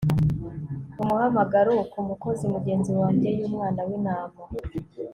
Umuhamagaro ku Mukozi Mugenzi Wanjye yUmwana wIntama